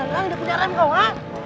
nggak ada punya rem kau ha